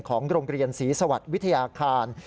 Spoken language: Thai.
ของโรงเรียนศรีสวัสดิ์วิทยาคาร